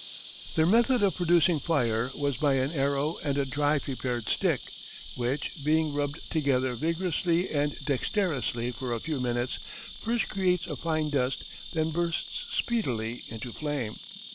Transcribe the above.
Their method of producing fire was by an arrow and a dry prepared stick, which, being rubbed together vigorously and dexterously for a few minutes, first creates a fine dust, then bursts speedily into flame.